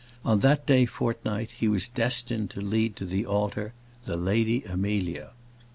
On that day fortnight, he was destined to lead to the altar the Lady Amelia.